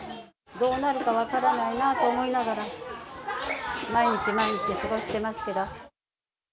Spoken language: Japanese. どうなるか分からないなと思いながら、毎日毎日過ごしてますけど。